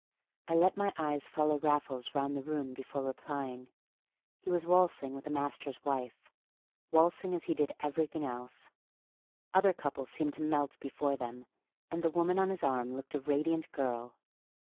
I let my eyes follow Raffles round the room before replying. He was waltzing with a master's wife waltzing as he did everything else. Other couples seemed to melt before them. And the woman on his arm looked a radiant girl.